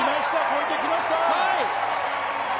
越えてきました！